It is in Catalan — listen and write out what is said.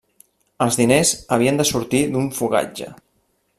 Els diners havien de sortir d'un fogatge.